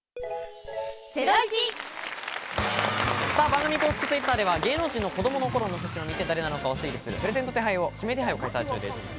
番組公式Ｔｗｉｔｔｅｒでは芸能人の子供の頃の写真を見て誰なのかを推理するプレゼント指名手配を開催中です。